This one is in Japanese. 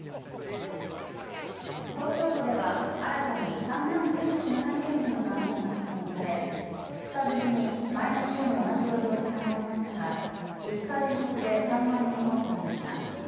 東京都では新たに３万９７０人の感染が確認され２日ぶりに前の週の同じ曜日を下回りましたが５日連続で３万人を超えました。